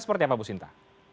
seperti apa bu sinta